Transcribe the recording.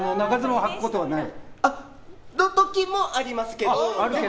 はく時もありますけど。